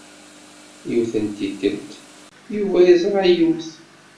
Yiwet n tikkelt, Yuba yeẓra yiwet.